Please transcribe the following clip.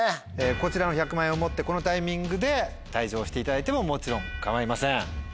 こちらの１００万円を持ってこのタイミングで退場していただいてももちろん構いません。